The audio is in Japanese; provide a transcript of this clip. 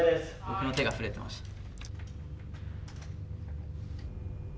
僕の手が触れてました。